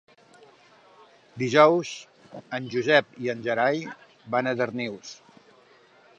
Dijous en Josep i en Gerai van a Darnius.